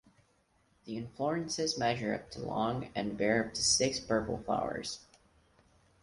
The inflorescences measure up to long and bear up to six purple flowers.